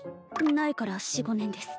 苗から４５年です